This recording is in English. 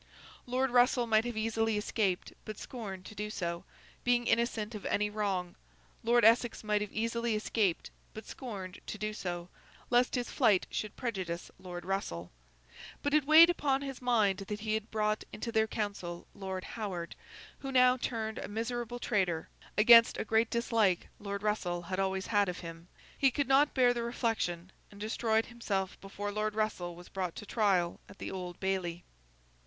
Lord Russell might have easily escaped, but scorned to do so, being innocent of any wrong; Lord Essex might have easily escaped, but scorned to do so, lest his flight should prejudice Lord Russell. But it weighed upon his mind that he had brought into their council, Lord Howard—who now turned a miserable traitor—against a great dislike Lord Russell had always had of him. He could not bear the reflection, and destroyed himself before Lord Russell was brought to trial at the Old Bailey.